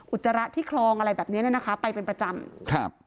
อุจจาระที่คลองอะไรแบบเนี้ยเนี้ยนะคะไปเป็นประจำครับ